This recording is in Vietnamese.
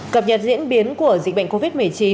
cập nhật diễn biến của dịch bệnh covid một mươi chín